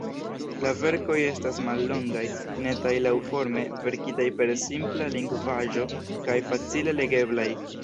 La verkoj estas mallongaj, netaj laŭforme, verkitaj per simpla lingvaĵo kaj facile legeblaj.